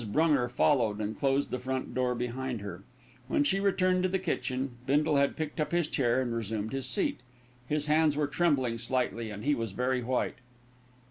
Brunger followed, and closed the front door behind her. When she returned to the kitchen, Bindle had picked up his chair and resumed his seat. His hands were trembling slightly, and he was very white.